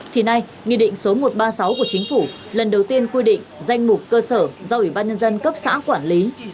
thì nay nghị định số một trăm ba mươi sáu của chính phủ lần đầu tiên quy định danh mục cơ sở do ủy ban nhân dân cấp xã quản lý